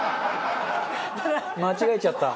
間違えちゃった。